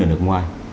ở nước ngoài